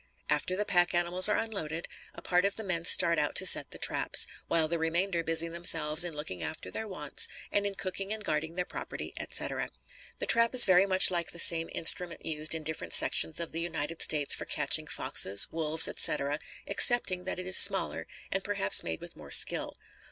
After the pack animals are unloaded, a part of the men start out to set the traps, while the remainder busy themselves in looking after their wants and in cooking and guarding their property, etc. The trap is very much like the same instrument used in different sections of the United States for catching foxes, wolves etc, excepting, that it is smaller and perhaps made with more skill.